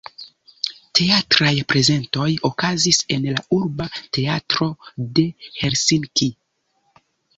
Teatraj prezentoj okazis en la urba teatro de Helsinki.